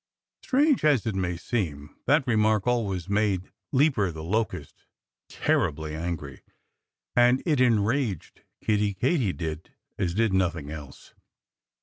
Strange as it may seem, that remark always made Leaper the Locust terribly angry. And it enraged Kiddie Katydid as did nothing else.